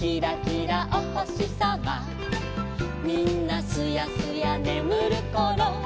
「みんなすやすやねむるころ」